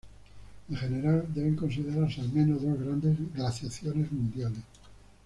En general, deben considerarse al menos dos grandes glaciaciones mundiales.